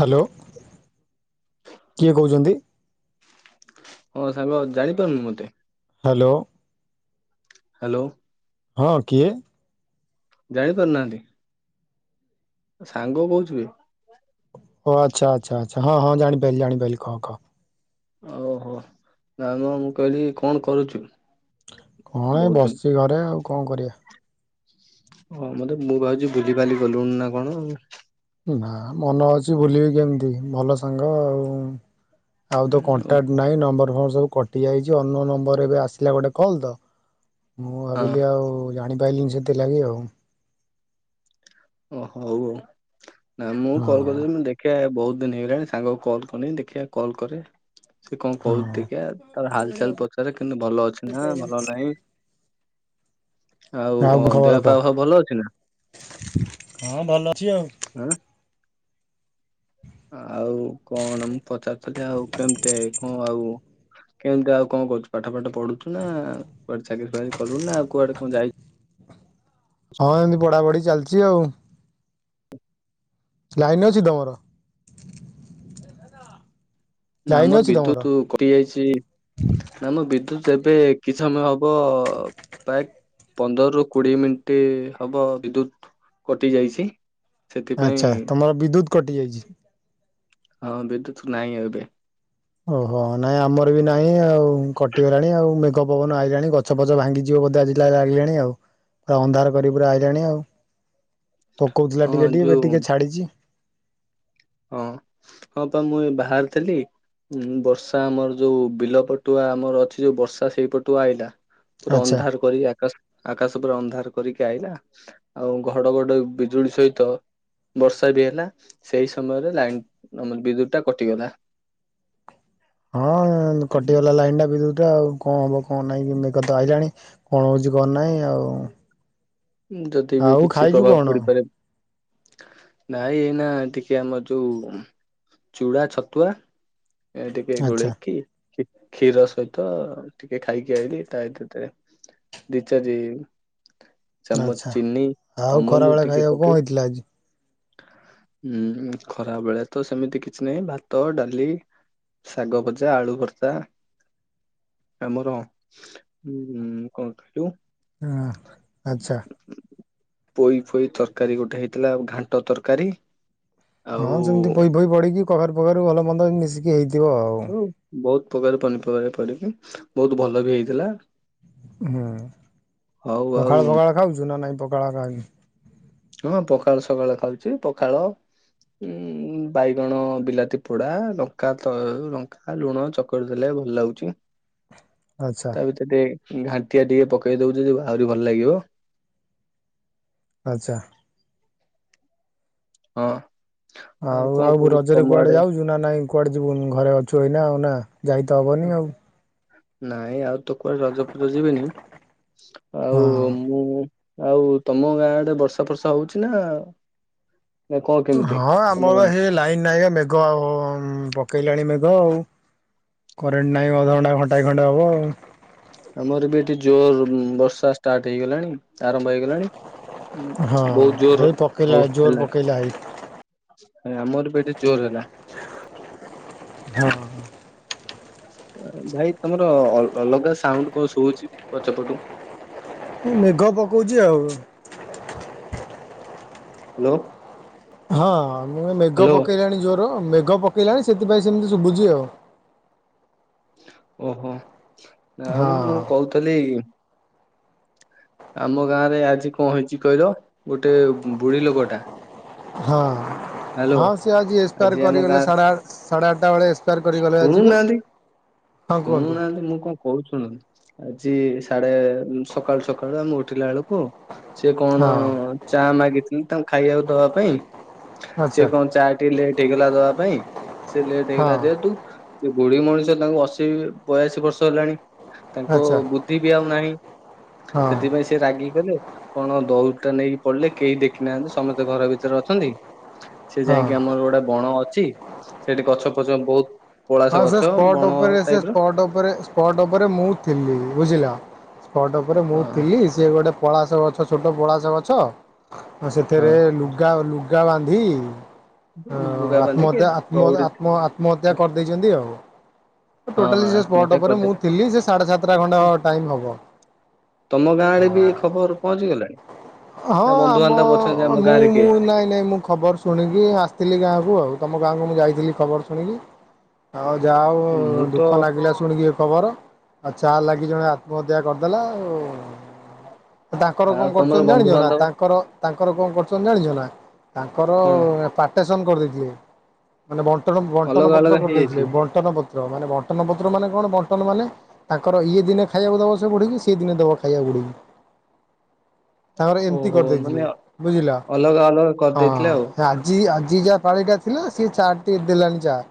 Hello କିଏ କହୁଛନ୍ତି? ହଁ ସାଙ୍ଗ ଜାଣିପାରୁନୁ କି ମତେ ହାଲୋ। ହାଲୋ। ହଁ କିଏ? ଜାଣି ପାରୁନାହାନ୍ତି ସାଙ୍ଗ କହୁଥିଲି। ଓ ଆଚ୍ଛା ଆଚ୍ଛା ଆଚ୍ଛା ହଁ ହଁ ଜଣିପାରିଲି ଜାଣିପାରିଲି କହ କହ। ଓହୋ ନାମ ମୁଁ କହିଲି କଣ କରୁଛୁ? କଣ ଏ ବହୁତ ବସିଛି ଘରେ ଆଉ କଣ କରିବା। ହଁ ମତେ ମୁଁ ଭାବଛି ଭୁଲି ଭାଲି ଗଲୁଣି ନା କଣ ଆଉ। ନା ମନ ଅଛି ଭୁଲିବି କେମିତି ଭଲ ସାଙ୍ଗ ଆଉ ଆଉ ତ କଣ୍ଟାକ୍ଟ ଓହୋ ନାଇଁ ନମ୍ବର ଫମ୍ବର ସବୁ କଟିଯାଇଛି ଅନ ନମ୍ବରରେ ଏବେ ଆସିଲା ଗୋଟେ କଲ୍ ତ ମୁଁ ହଁ ଭାବିଲି ଆଉ ଜାଣି ଜାଣିପାରିଲିନି ସେଥି ଲାଗି ଆଉ। ଓ ହୋଉ ନାଁ ମୁଁ ହଁ କଲ୍ କରିଦୋଉ ମୁଁ ଦେଖେ ବହୁ ଦିନ ହେଇଗଲାଣି ସାଙ୍ଗକୁ କଲ୍ କରିନି ଦେଖିଆ କଲ୍ କରେ ସେ କଁ କହୁଚି ହଁ ଦେଖିଆ ତାର ହାଲ୍ ଚାଲ୍ ପଚାରେ କେତି ଭଲ ଅଛି ନା ଭଲ ନାହିଁ। ଆଉ ଖବର ଦେହ କହ ପା ସଉ ଭଲ ଅଛି ନା। ହଁ ଭଲ ଅଛି ଆଉ। ଆଁ ଆଉ କଣ ମୁଁ ପଚାରୁଥିଲି ଆଉ କେମିତି କଣ ଆଉ କେମିତି ଆଉ କଣ କରୁଛୁ ପାଠ ଫାଠ ପଢୁଚୁନା ନା କୁଆଡେ ଚାକିରି ଫାକରି କଲୁଣିନା ଆଉ କୁଆଡେ କଣ ଯାଇ ହଁ ଏମିତି ପଢା ପଢି ଚାଲିଚି ଆଉ। ଲାଇନ୍ ଅଛି ତମର? ନା ଲାଇନ ଆମର ଅଛି ତମର ବିଦ୍ୟୁତ କଟି ଯାଇଚି ନା ଆମର ବିଦ୍ୟୁତ ଯେବେ କିସମ ହବ ବା ପନ୍ଦରରୁୁ କୋଡିଏ ମିନ୍ଟି ହବ ବିଦ୍ୟୁତ୍ କଟି ଯାଇଛି। ସେଥିପାଇଁ ଆଚ୍ଛା ତମର ବିଦ୍ୟୁତ କଟି ଯାଇଚି। ହଁ ବିଦ୍ୟୁତ ନାହିଁ ଏବେ। ଓହୋ ନାଇଁ ଆମର ବି ନାହିଁ ଆଉ କଟିଗଲାଣି ଆଉ ଘ ପବନ ଆଇଗାଣି ଗଛ ଫଛ ଭାଙ୍ଗିଯିବ ବୋଧେ ଆଜି ଯାହା ଲାଗିଲାଣି ଆଉ ପୁରା ଅନ୍ଧାର କରି ପୁରା ଆଇଲାଣି ଆଉ ପକୋଉଥିଲା ହଁ ଟିକେ ଟିକେ ଯୋଉ ଫେ ଟିକେ ଛାଡିଚି। ହଁ ହଁ ପା ମୁଁ ଏଇ ବାହାରେଥିଲି। ହୁଁ ବର୍ଷା ଆମର ଯୋଉ ବିଲ ପଟୁଆ ଆମର ଅଛି ଯୋଉ ବର୍ଷା ସେଇ ପଟୁ ଆଇଲା ପୁରା ଆଚ୍ଛା। ଅନ୍ଧାର କରିକି ଆକାଶ ଆକାଶ ପୁରା ଅନ୍ଧାର କରି ଆଇଲା ଆଉ ଘଡ ଘଡ଼ି ବିଜୁଳି ସହିତ ବର୍ଷା ବି ହେଲା ସେଇ ସମୟରେ ଲାଇନ୍ ବିଦ୍ୟୁତ୍ ଟା କଟିଗଲା। ହଁ କଟିଗଲା ଲାଇନ୍ ଟା ବିଦ୍ୟୁତ୍ ଟା ଆଉ କଣ ହବ କଣ ନାହିଁ କି ମେଘ ତ ଆଇଲାଣି। କଣ ହୋଉଚି କଣ ନାହିଁ ଆଉ। ଯଦି ବି ଆଉ କିଛି ଖାଇଛୁ ପ୍ରଭାବ କଣ ପଡିପାରେ। ନାଇଁ ଏଇନା ଟିକେ ଆମର ଯୋଉ ଚୁଡା ଛତୁଆ ଏ ଟିକେ ଆଚ୍ଛା ଗୋଲେଇକି କ୍ଷୀର ସହିତ ଟିକେ ଖାଇକି ଆଇଲି ତା ଦି ଚାରି ଚାମଚ୍ ଆଚ୍ଛା। ଚିନି ଆଉ ଅମୁଲୁ ଖରାବେଳେ ଟିକେ ଖାଇବାକୁ କଣ ପକେଇ ହେଇଥିଲା ଆଜି? ହୁଁ ଖରା ବେକେ ତ ସେମିତି କିଛି ନାହିଁ ଭାତ ଡାଲି ଶାଗ ଭଜା ଆଳୁ ଭର୍ତା ଆମର କଁ ଲୁ ହୁଁ ଆଚ୍ଛା। ପୋଇ ଫୋଇ ତରକାରୀ ଗୋଟେ ହେଇଥିଲା ଘାଣ୍ଟ ତର୍କାରୀ। ହଁ ସେମିତି ପୋଇ ଫୋଇ ପଢିକି କଖାରୁ ପଖାରୁ ଭଲ ମନ୍ଦ ମିଶିକି ହେଇଥିବ ଆଉ। ପକାରୁ ପନିପରିବା ପିଡିକି ବହୁତୁ ଭଲ ବି ହେଇଥିଲା। ହୁଁ ହଉ ଆଉ ପଖାଳ ଫଖାଳ ଖାଉଛୁ ନା ନାଇଁ ପଖାଳ ଖାଉ ହଁ ପଖାଳ ସକାଳେ ଖାଉଚି ପଖାଳ ଉଁ ବାଇଗଣ ବିଲାତି ପୋଡା ଲଙ୍କା ତ ଲୁଣ ଚକଟି ଦେଲେ ଭଲ୍ ଲାଗୁଚି ଆଚ୍ଛା। ତା ଭିତରେ ଘାଣ୍ଟିଆ ଟିକେ ପକେଇ ଦୋଉଚି ଯେ ଆହୁରି ଭଲ ଲାଗିବ। ଆଚ୍ଛା। ହଁ। ଆଉ କଣ ଆଉ କହୁଛି ରଜରେ ତମ କୁଆଡେ ଆଡେ ଯାଉଚୁ ନା ନାଇଁ କୁଆଡେ ଯିବୁନୁ ଘରେ ଅଛୁ ଏଇନା ଆଉ ନା। ଯାଇତ ହବନି ଆଉ। ନାଇଁ ଆଉ ତୁ କୁଆଡେ ରଜପଜ ଯିବିନି ଆଉ ହଁ ମୁଁ ଆଉ ତମ ଗାଁ ଆଡେ ବର୍ଷା ଫର୍ଷା ହୋଉଛି ନା ନା କଣ କେମିତି ହଁ ତମ ଗାଁ ଆମର ହେ ଲାଇନ୍ ନାଇଁ ଆଉ ମେଘ ପକେଇ ପକେଇଲାଣି ମେଘ ଆଉ କରେଣ୍ଟ ନହିଁ ଅଧଘଣ୍ଟା ଘଣ୍ଟାଏ ଖଣ୍ଡେ ହେବ ଆଉ। ଆମର ବି ଏଠି ଜୋର ବର୍ଷା ଷ୍ଟାର୍ଟ ହେଇଗଲାଣି ଆରମ୍ଭ ହେଇଗଲାଣି। ହଁ ବହୁତ ଜୋର ହେଇ ପକେଇଲା ହଉ ଜୋର ହେଲା। ପକେଇଲା ହେଇ ଆମର ବି ଏଠି ଜୋର ହେଲା। ହଁ। ଭାଇ ତମର ଅଲଗା ସାଉଣ୍ଡ କଣ ଶୋଭୁଛି ପଛପଟୁ? ମେଘ ପକଉଛି ଆଉ। ହ୍ୟାଲୋ। ହଁ ମୁଁ ଏ ମେଘ ହ୍ୟାଲୋ। ପକେଇଲିଣି ଜୋର ମେଘ ମେଘ ପକେଇଲାଣି ସେଥିପାଇଁ ସେମିତି ଶୁଭୁଛି ଆଉ। ଓହୋ ନା ମୁ ହଁ ମୁଁ କହୁଥିଲି? ଆମ ଗାଁରେ ଆଜି କଣ ହେଇଛି କହିଲ ଗୋଟେ ବୁଢୀ ଲୋକଟା। ହଁ ହ୍ୟାଲୋ ହଁ ସେ ଆଜି ଏସ୍ପାର୍ ଆମ କରିଗଲେ ଗାଁ ସାଢେ ସାଢେ ଆଠଟା ବେଳେ ଏସ୍ପାର କରିଗଲେ ଆଜି ବା? ଶୁଣୁନାହାନ୍ତି ଶୁଣୁନାହାନ୍ତି ମୁଁ କଣ କହୁଚୁ ଶୁଣୁ ଆଜି ସାଡେ ସକାଳୁ ସକାଳୁ ଆମେ ଉଠିଲା ବେଳକୁ ସେ କଣ ହଁ ଚା ମାଗିଥିଲେ ତାଙ୍କୁ ଖାଇବାକୁ ଦବା ପାଇଁ ସେ ଆଚ୍ଛା କଣ ଚା ଟିକେ ଲେଟ ହେଇଗଲା ଦବା ପାଇଁ ସେ ଲେଟ ହଁ ହେଇଗଲା ଯେହେତୁ ସେ ବୁଢୀ ମଣିଷ ତାଙ୍କୁ ଅଶୀ ବୟାଶୀ ବର୍ଷ ହେଲାଣି। ତାଙ୍କ ଆଚ୍ଛା ବୁଦ୍ଧି ବି ଆଉ ନାହିଁ ହଁ ସେଥିପାଇଁ ସେ ରାଗି ଗଲେ। କଣ ଦଉଡ଼ି ଟା ନେଇକି ପଡିଲେ କେହି ଦେଖି ନାହାନ୍ତି ସମସ୍ତେ ଘର ଭିତରେ ଅଛନ୍ତି। ସେ ହଁ ଯାଇକି ଆମର ଗୋଟେ ବଣ ଅଛି ସେଠି ଗଛ ଫଛ ବହୁତ ପଳାସ ଗଛ ବଣ ଟାଇପ ର ସ୍ପଟ ଉପରେ ସ୍ପଟ ଉପରେ ମୁଁ ଥିଲି ବୁଝିଲା ସ୍ପଟ ଉପରେ ମୁଁ ହଁ ଥିଲି ସିଏ ଗୋଟେ ପଳାସ ଗଛ ଛୋଟ ପଳାସ ଗଛ ସେଥିରେ ହଁ ଲୁଗା ରା ବାନ୍ଧି ଆଁ ବୁଗା ଆତ୍ମ ବାନ୍ଧିକି ହତ୍ୟା ଆତ୍ମ ହତ୍ୟା ଦଉଡି ଆତ୍ମ ଆତ୍ମ ହତ୍ୟା ହ ଆଉ [inaudible] ହଁ ଟୋଟାଲି ସେଇ ସ୍ପଟ ଆତ୍ମହତ୍ୟା ଉପରେ ମୁ କରିଦେଲେ। ଥିଲି ସେ ସାଢେ ସାତଟା ଖଣ୍ଡେ ଟାଇମି ହବ। ତମ ଗାଁରେ ବି ଖବର ପହଞ୍ଚି ଗଲାଣି? ହଁ ନା ଆମ ବନ୍ଧୁବାନ୍ଧବ ଅଛନ୍ତି ଆମ ମୁଁ ଗାଁରେ ମୁଁ କିଏ? ନାଇଁ ନାଇଁ ମୁଁ ଖବର ଶୁଣିକି ଆସିଥିଲି ଗାଁକୁ ଆଉ ତମ ଗାଁ ମୁଁ ଯାଇଥିଲି ଖବର ଶୁଣିକି ଆଉ ଯାହା ଆଉ ମୁଁ ତ ଦୁଃଖ ନାଗିଲା ଶୁଣିକି ଏ ଖବର ଆଛା। ତା ଲାଗି ଜଣେ ଆତ୍ମହତ୍ୟା କରିଦେଲା ଆଉ। ତାଙ୍କର କଣ ଆଉ କରୁଛ ତମର ଜାଣିଛ ନା ବନ୍ଧୁବାନ୍ଧବ ତାଙ୍କର ତାଙ୍କର କଣ କରୁଛ ଜାଣିଛ ନା? ତାଙ୍କର କଣ ପାର୍ଟେସନ୍ କରିଦେଇଥିଲେ ମାନେ ତେଣୁ ବଣ୍ଟନ ଅଲଗା ପତ୍ର ଅଲଗା କରିଦେଇଥିଲେ ହେଇଯାଇଥିଲେ? ବଣ୍ଟନ ପତ୍ର ମାନେ ବଣ୍ଟନ ପତ୍ର ମାନେ କଣ ବଣ୍ଟନ ମାନ ତାଙ୍କର ଇଏ ଦିନେ ଖାଇବାକୁ ଦବ ସେ ବଢିକି ସିଏ ଦିନେ ଦବ ଖାଇବାକୁ ବୁଡ଼ି [inaudible] ତାଙ୍କର ଏମତି ଓହୋ ମାନେ କରିଦେଇଥିଲି ବୁଝିଲ ଅଲଗା ଅଲଗା କରିଦେଇଥିଲେ ଆଉ ହଁ ଆଜି ଯିଏ ଯାହା ପାଳିଟା ଥିଲା ସେଏ ଚାଟିକେ ଦେଲାଣି ଚା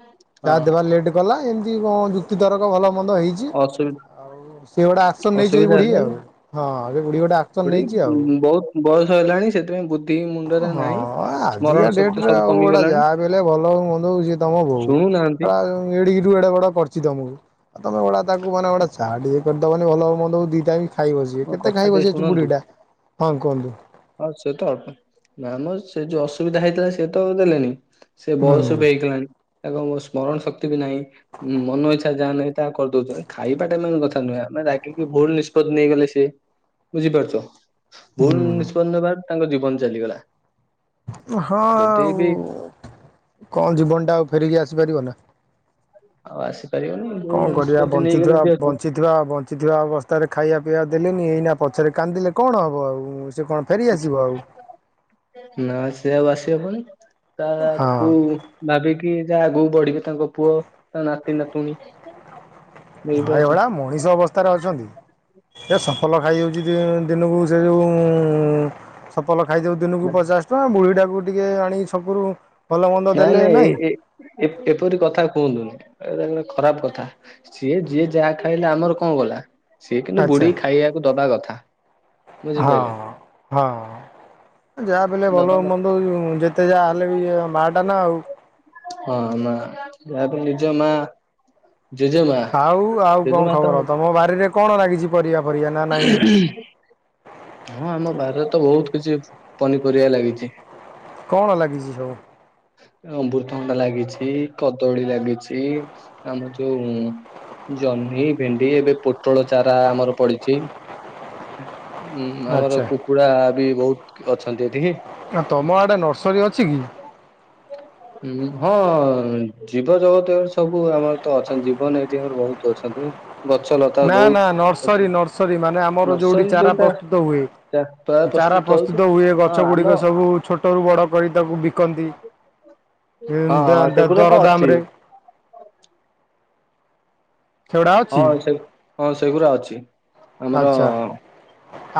ହୁଁ। ଚାର୍ ଦେବା ଲେଟ୍ କଲା ଏମିତି କଣ ଯୁକ୍ତି ତରକ ଭଲ ମନ୍ଦ ହେଇଛିଉ ହଁ ଅସୁ ଆଉ ସିଏ ଗୋଟେ ଆକ୍ସନ ନେଇଛି ଅସୁବିଧା ବୁଢୀ ହେଲା ଆଉ ହଁ ବୁଢୀ ଗୋଟେ ଆସନ ନେଇଛି ଆଉ ବସ ହେଲାଣି ସେଥିପାଇଁ ମୁଣ୍ଡରେ ହଁ ନାହିଁ। ସ୍ମରଣ ଆଜିକା ଶକ୍ତି ଡେଟେ ରେ ସବୁ ଆଉ ଗଡା କମିଗଲାଣି ଯାହା ବଲେ ଭଲ ମନ୍ଦ ହଉଛି ତମ ବୋଉ ଶୁଣୁନାହାନ୍ତି। ଏା ଏଡିିରୁ ଏଡେ ବଡ କରିଛ ମକୁ ଆଉ ତମେ ଗୁା ତାକୁ ଟିକେ ଚାହା କରିଦବନି ଭଲ ହଉମନ୍ଦ ଦିଟା ବସିବେ ମୋ କେତେ କଥା ଖାଇ ବସିିବ ଅଛି ବୁଢୀ ଟା ହଁ କୁହନ୍ତୁ। ହଁ ସେ ତ ଅଳ୍ପ ଆମର ସେ ଯୋଉ ଅସୁବିଧା ହେଇଥିଲା ସେ ତ ଦେଲେନି ସେ ହୁଁ ବୟସ ବି ହେଇଗଲାଣି ତାକୁ କଣ ବୟସ ସ୍ମରଣ ଶକ୍ତି ବି ନାହିଁ, ମନ ଇଚ୍ଛା ଯାହା ନାହିଁ ତାହା କରିଦଉଛନ୍ତି। ଖାଇବାଟା ମେନ୍ କଥା ନୁହେଁ ଆମେ ରାଗିକି ଭୁଲ ନିଷ୍ପତ୍ତି ନେଇଗଲେ ସିଏ ବୁଝିପାରୁଛ ହୁଁ ଭୁଲ ନି ତାଙ୍କ ଜୀବନ ଚାଲିଗଲା। ହଁ ଯଦି ବି ଆଉ କଣ ଜୀବନଟା ଆଉ ଫେରିକି ଆସିପାରିବ ନା। ଆଉ ଆସି କଣ କରିବା ବଞ୍ଚିଥିବା ବଞ୍ଚିଥିବା ବଞ୍ଚିଥିବା ଅବସ୍ଥାରେ ଖାଇଆ ପିଇଆ ଦେଲେନି, ଏଇନା ପଛରେ କାନ୍ଦିଲେ କଣ ହବ ଆଉ। ସେ କଣ ଫେରି ଆସିବ ଆଉ। ହବନି ହଁ ତାକୁ ଭାବିକି ଯାହା ଆଗକୁ ବଢିବେ ତାଙ୍କ ପୁଅ, ତାଙ୍କ ନା ନାତି ନାତୁଣୀ ହଁ ବୁଝିପାରୁଛ ଏଗୁଡ଼ା ମଣିଷ ଅବସ୍ଥାରେ ଅଛନ୍ତି। ଏ ସଫଲ ଖାଇଯାଉଛି ଦି-ଦିନକୁ ସେ ଯୋଉ ଉମ୍ ସଫଲ ଖାଇଦେଉଚି ଦିନକୁ ପଚାଶ ଟଙ୍କା, ବୁଢୀଟାକୁ ଟିକେ ଆଣି ଛକରୁ ଭଲ ମନ୍ଦ ନାଇଁ ଦେଲେ ନାଇଁ ନାହିଁ ଏଇ ଏଇ ଏପ-ଏପରି କଥା କୁହନ୍ତୁନି। ଏଇରା ହେଲା ଖରାପ କଥା। ସିଏ ଯିଏ ଯାହା ଖାଇଲା ଆମର କଣ ଗଲା। ସିଏ କିନ୍ତୁ ଆଚ୍ଛା ବୁଢୀକି ଖାଇବାକୁ ଦବା କଥା। ହଁ ବୁଝିପାରିଲେ ହଁ। ଯାହାବି ହେଲେ ଦବା ଭଲ କଥା ମନ୍ଦ ଯେତେ ଯାହା ହେଲେ ବି ମାଆଟା ନା ଆଉ। ହଁ ମା। ଯାହାବି ହେଲେ ନିଜ ମା ଜେଜେମା ଆଉ ଆଉ କଣ ଜେଜେମା ତ ଖବର? ତମ ବାରିରେ କଣ ନାଗିଛି ପରିବା? ଫରିବା ନା ନାଇଁ ହଁ ଆମ ବାରିରେ ତ ବହୁତ କିଛି ପନିପରିବା ଲାଗିଚି। କଣ ଲାଗିଚି ସବୁ? ଅମୃତଭଣ୍ଡା ଲାଗିଛି, କଦଳୀ ଲାଗିଛି, ଆମର ଯୋଉ ଜହ୍ନି, ଭେଣ୍ଡି ଏବେ ପୋଟଳ ଚାରା ଆମର ପଡିଚି। ଉମ୍ ଆମର ଆଚ୍ଛା କୁକୁଡା ବି ବହୁତ ଅଛନ୍ତି ଏଠି ହି ତମ ଆଡେ ନର୍ସରୀ ଅଛି କି? ହ। ହୁଁ ହଁ ଜୀବ ଜଗତ ଏଗୁରା ସବୁ ଆମର ତ ଅଛନ୍ତି ଜୀବନ ଏଇଠି ଆମର ବହୁତ ଅଛନ୍ତି। ଗଛ ଲତା ନା ନା ବହୁତ ଅଛି ନର୍ସରୀ ନର୍ସରୀ ମାନେ ଆମର ଯୋଉଠି ନର୍ସରୀ ଚାରା ଯୋଉଟା ପ୍ରସ୍ତୁତ ହୁଏ? ପ୍ରାୟ ଚାରା ହଉଛି ପ୍ରସ୍ତୁତ ହୁଏ, ହଁ ଗଛ ଆମ ଗୁଡିକ ସବୁ ଛୋଟରୁୁ ବଡ଼ କରି ତାକୁ ବିକନ୍ତି ଇଁ ହଁ ହଁ ସେଗୁଡା ତ ଅଛି ଦା-ଦା-ଦରଦାମରେ ସେଉଡା ଅଛି? ହଁ ସେ ହଁ ସେଗୁରା ଅଛି। ଆମର ଆଚ୍ଛା।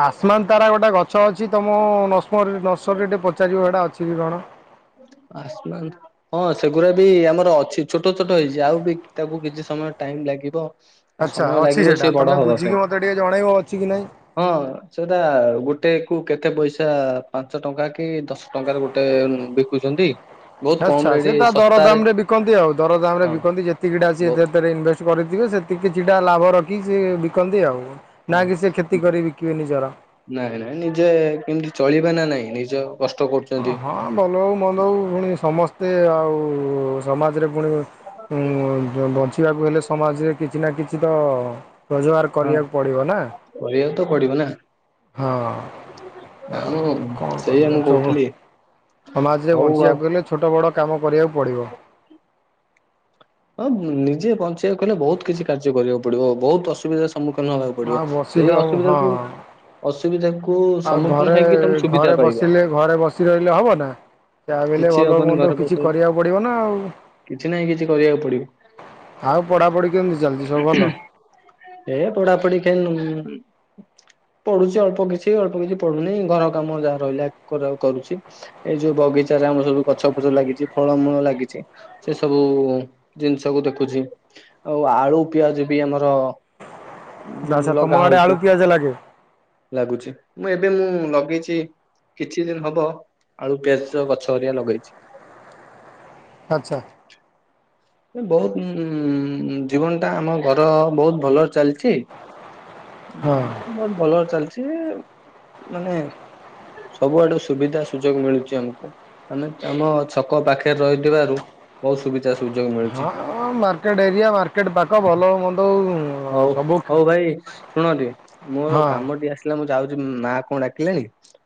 ଆସମାନ୍ ତାରା ଗୋଟେ ସେଟା ଗଛ ଅଛି ତମ ନସ୍ପରି ନର୍ସରୀରେ ଟିକେ ପଚାରିବ ସେଟା ଅଛି କି କଣ? ଆସମାନ୍ ତା ହଁ ସେଗୁରା ବି ଆମର ଅଛି। ଛୋଟ ଛୋଟ ହେଇଛି ଆଉ ବି ତାକୁ କିଛି ସମୟ ଟାଇମ ଲାଗିବ ଆଉ ଆଚ୍ଛା। ସମୟ ଅଛି ଲାଗିବ ସେଟା ସେ ବଡ ତମେ ହବା ପାଇଁ। ବୁଝିକି ମତେ ଟିକେ ଜଣେଇବ ଅଛି କି ନାଇଁ? ହଁ। ସେଟା ଗୋଟେକୁ କେତେ ପଇସା ପାଞ୍ଚ ଟଙ୍କା କି ଦଶ ଟଙ୍କାରେ ଗୋଟେ ବିକୁଚନ୍ତି ଆଚ୍ଛା। ସେ ତା ଦରଦାମରେ ବିକନ୍ତି ଆଉ। ଦରଦାମରେ ହଁ ବିକନ୍ତି ଯେତିକିଟା ବ ସିଏ ଦେବେ ରେ ଇନଭେଷ୍ଟ କରେଇଥିବେ ସେତିକି କିଛିଟା ଲାଭ ରଖିକି ସିଏ ବିକନ୍ତି ଆଉ। ନା ହଁ କି ସେ କ୍ଷତି କରି ବିକିବେ ନିଜର। ନାଇଁ ନାଇଁ ନିଜେ କେମିତି ଚଳିବେ ନା ନାଇଁ? ନିଜ କଷ୍ଟ ହଁ କରୁଛନ୍ତି। ହଁ ଭଲ ହଉ ମନ୍ଦ ହଉ ପୁଣି ସମସ୍ତେ ଆଉ ସମାଜରେ ପୁଣି ଉମ୍ ବଞ୍ଚିବାକୁ ହେଲେ ସମାଜରେ କିଛି ନା କିଛି ତ ରୋଜଗାର ହଁ କରିବାକୁ ପଡ଼ିବ ନା କରିବାକୁ ତ ପଡିବ ନା। ହଁ। ନା ଆଉ ମୁଁ କଣ ସେଇଆ କରିବା ମୁଁ [unintelligible] କହୁଥିଲି ସମାଜରେ ହଉ ଆଉ ବଞ୍ଚିବାକୁ ଗଲେ ଛୋଟ ବଡ଼ କାମ କରିବାକୁ ପଡ଼ିବ। ହଁ ନିଜେ ପଞ୍ଚିଇବାକୁ କଲେ ବହୁତ କିଛି କାର୍ଯ୍ୟ କରିବାକୁ ପଡ଼ିବ ବହୁତ ଅସୁବିଧା ସମ୍ମୁଖୀନ ହବାକୁ ପଡ଼ିବ ଆଉ ବସିନ ସେଇ ଅସୁବିଧା ହଁ କୁ ଅସୁ କୁ ଆଉ ସମ୍ମୁଖୀନ ଘରେ ହେଇକି ତମେ ସୁବିଧା ଘରେ ପାଇବ। ବସିଲେ ଘରେ ବସି ରହିଲେ ହବ ନା ଯାହା ବି ହେଲେ କିଛି ଭଲ ହବନି ମନ୍ଦ ଘର କିଛି ବସିଗଲି କରିବାକୁ ପଡ଼ିବ ନା ଆଉ କିଛି ନାହିଁ କିଛି କରିବାକୁ ପଡ଼ିବ ଆଉ ପଢ଼ାପଢ଼ି କେମିତି ଚାଲିଛି ସବୁ ଭଲ ଏ ପଢାପଢି [unintelligible] ପଢୁଛି ଅଳ୍ପ କିଛି ଅଳ୍ପ କିଛି ପଢୁନି ଘର କାମ ଯାହା ରହିଲା କରୁଚି ଏଇ ଯୋଉ ବଗିଚାରେ ଆମର ସବୁ ଗଛ ଫଛ ଲାଗିଚି ଫଳମୂଳ ଲାଗିଚି ସେ ସବୁ ଜିନିଷକୁୁ ଦେଖୁଚି ଆଉ ଆଳୁ ପିଆଜ ବି ଆମର ଉ ଆଚ୍ଛା ତମ ଲଗା ଆଡ଼େ ହଉଚ ଆଳୁ ପିଆଜ ଲାଗେ ଲାଗୁଚି ମୁଁ ଏବେ ଏବେ ମୁଁ ଲଗେଇଛି କିଛି ଦିନ ହବ ଆଳୁ ପିଆଜ ଗଛ ହରିଆ ଲଗେଇଚି। [inaudible] ଆଚ୍ଛା। ଏ ବହୁତ ଉ, ଉ, ଉ, ଜୀବନ ଟା ଆମ ଘର ବହୁତ ଭଲରେ ଚାଲିଚି। ହଁ ହ ବହୁତ ଭଲରେ ଚାଲିଚି ମାନେ ସବୁଆଡୁ ସୁବିଧା ସୁଯୋଗ ମିଳୁଚି ଆମକୁ। ମାନେ ଆମ ଛକ ପାଖରେ ରହିଥିବାରୁ ବହୁତ ସୁବିଧା ସୁଯୋଗ ମିଳୁଛି ହଁଁ ମାର୍କେଟ ଏରିଆ ମାର୍କେଟ ପାଖ ଭଲ ମନ୍ଦ ହଉ ସବୁ ହଉ ଭାଇ ଶୁଣ ଟିକେ ମୋର ହଁ କାମଟି ଆସିଲା ମୁଁ ଯାଉଚି ମା କଣ ଡାକିଲାଣି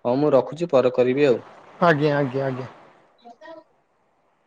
ହଁ ମୁଁ ରଖୁଛି ପରେ କରିବି ଆଉ। ଆଜ୍ଞା ଆଜ୍ଞା ଆଜ୍ଞା। [unintelligible]